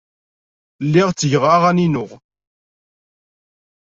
Lliɣ ttgeɣ aɣan-inu.